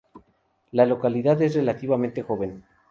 La localidad es relativamente joven.